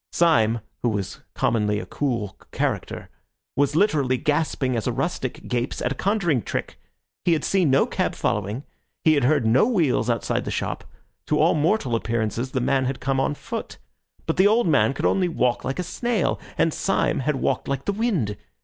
Syme, who was commonly a cool character, was literally gaping as a rustic gapes at a conjuring trick. He had seen no cab following; he had heard no wheels outside the shop; to all mortal appearances the man had come on foot. But the old man could only walk like a snail, and Syme had walked like the wind.